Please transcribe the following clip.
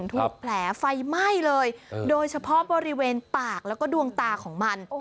ถูกแผลไฟไหม้เลยโดยเฉพาะบริเวณปากแล้วก็ดวงตาของมัน